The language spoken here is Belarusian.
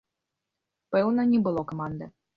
Пэўна, не было каманды.